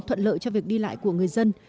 thuận lợi cho việc đi lại của người dân